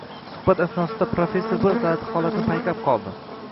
Suhbat asnosida professor bir g`alati holatni payqab qoldi